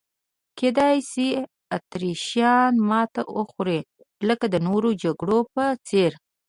کېدای شي اتریشیان ماته وخوري لکه د نورو جګړو په څېر.